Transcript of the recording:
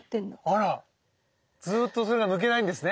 あらずっとそれが抜けないんですね